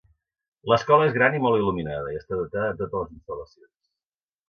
L'escola és gran i molt il·luminada, i està dotada de totes les instal·lacions.